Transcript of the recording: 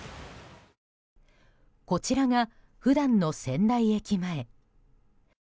こちらが、普段の仙台駅前。